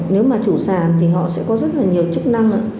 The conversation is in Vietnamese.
nếu mà chủ sản thì họ sẽ có rất là nhiều chức năng